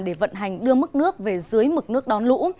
để vận hành đưa mức nước về dưới mực nước đón lũ